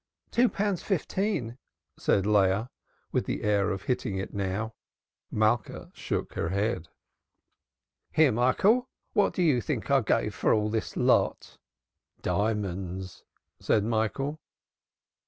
"Two pounds fifteen," said Leah, with the air of hitting it now. Still Malka shook her head. "Here, Michael, what do you think I gave for all this lot?" "Diamonds!" said Michael.